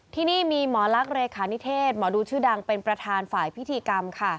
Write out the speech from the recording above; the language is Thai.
ที่นี่มีหมอลักษ์เลขานิเทศหมอดูชื่อดังเป็นประธานฝ่ายพิธีกรรมค่ะ